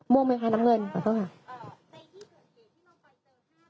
เมาเชียลมึงค่ะน้ำเงิน